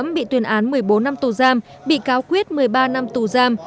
vợ chồng bị tuyên án một mươi bốn năm tù giam bị cáo quyết một mươi ba năm tù giam